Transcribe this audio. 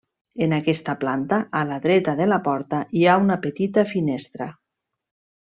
En aquesta planta, a la dreta de la porta, hi ha una petita finestra.